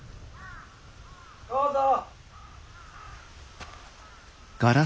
・どうぞ。